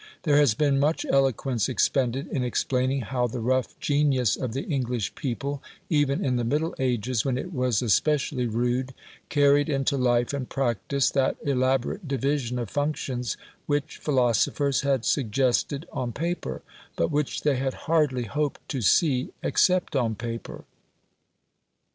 There has been much eloquence expended in explaining how the rough genius of the English people, even in the middle ages, when it was especially rude, carried into life and practice that elaborate division of functions which philosophers had suggested on paper, but which they had hardly hoped to see except on paper.